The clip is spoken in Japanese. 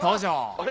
あれ？